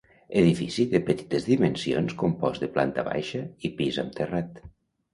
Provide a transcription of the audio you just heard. Edifici de petites dimensions compost de planta baixa i pis amb terrat.